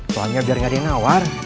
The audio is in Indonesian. pelangnya biar gak ada yang nawar